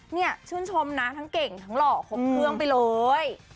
นี่ชื่นชมนะทั้งเก่งทั้งหล่อครบเครื่องไปเลย